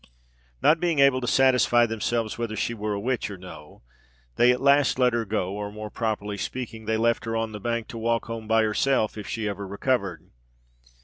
Not being able to satisfy themselves whether she were a witch or no, they at last let her go, or, more properly speaking, they left her on the bank to walk home by herself, if she ever recovered.